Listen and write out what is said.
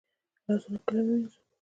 لاسونه کله ووینځو؟